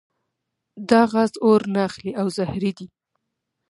دا غاز اور نه اخلي او زهري دی.